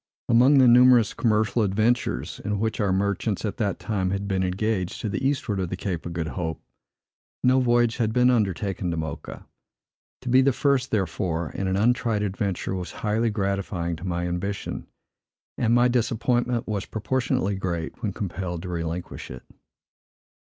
Among the numerous commercial adventures, in which our merchants, at that time, had been engaged to the eastward of the Cape of Good Hope, no voyage had been undertaken to Mocha. To be the first, therefore, in an untried adventure was highly gratifying to my ambition; and my disappointment was proportionately great when compelled to relinquish it.